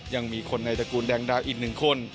ยังมีคนในตระกูลแดงดาวอีก๑คน